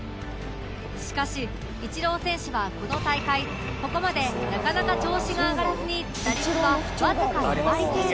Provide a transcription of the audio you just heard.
しかしイチロー選手はこの大会ここまでなかなか調子が上がらずに打率はわずか２割程度